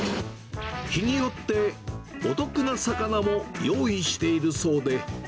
日によってお得な魚も用意しているそうで。